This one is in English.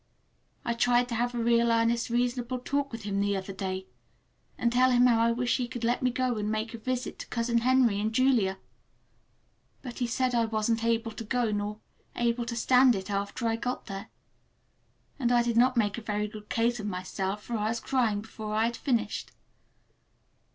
I tried to have a real earnest reasonable talk with him the other day, and tell him how I wish he would let me go and make a visit to Cousin Henry and Julia. But he said I wasn't able to go, nor able to stand it after I got there; and I did not make out a very good case for myself, for I was crying before I had finished.